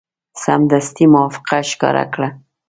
سمدستي موافقه ښکاره کړه.